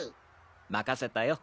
任せたよ。